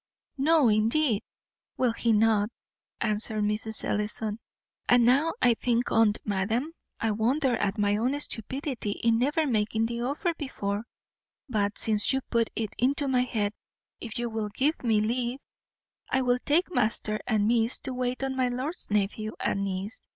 "No, indeed, will he not," answered Mrs. Ellison: "and now I think on't, madam, I wonder at my own stupidity in never making the offer before; but since you put it into my head, if you will give me leave, I'll take master and miss to wait on my lord's nephew and niece.